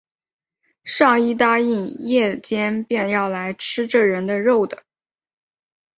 倘一答应，夜间便要来吃这人的肉的